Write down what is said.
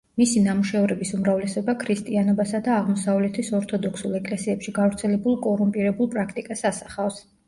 მისი ნამუშევრების უმრავლესობა ქრისტიანობასა და აღმოსავლეთის ორთოდოქსულ ეკლესიებში გავრცელებულ კორუმპირებულ პრაქტიკას ასახავს.